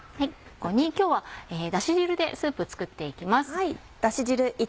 今日はだし汁でスープ作っていきます。